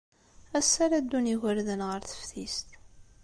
Ass-a ara ddun yigerdan ɣer teftist.